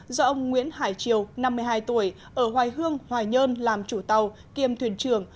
do ông nguyễn hải triều năm mươi hai tuổi ở hoài hương hoài nhơn làm chủ tàu kiêm thuyền trưởng